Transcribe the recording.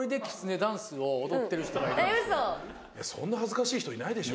そんな恥ずかしい人いないでしょ。